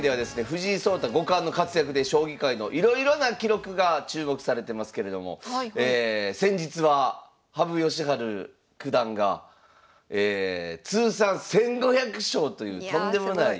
藤井聡太五冠の活躍で将棋界のいろいろな記録が注目されてますけれども先日は羽生善治九段が通算１，５００勝というとんでもない。